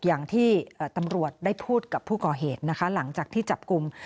อย่างที่ตำรวจได้พูดกับผู้ก่อเหตุนะคะหลังจากที่จับกลุ่ม